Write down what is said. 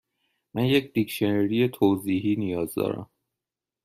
من یک دیکشنری توضیحی نیاز دارم.